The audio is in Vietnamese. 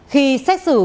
khi xét xử